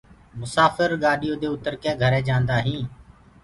مساڦر گآڏيو دي اُتر ڪي گھرينٚ جآنٚدآئينٚ